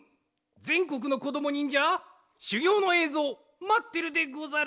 ぜんこくのこどもにんじゃしゅぎょうのえいぞうまってるでござる！